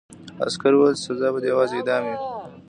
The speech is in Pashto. عسکر وویل چې سزا به دې یوازې اعدام وي